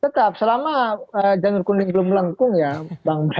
tetap selama janur kuning belum lengkung pak jokowi akan menjadi cw